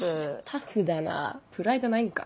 タフだなぁプライドないんか？